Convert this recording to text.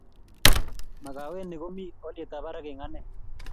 Makaweni komi olyetab barak eng ane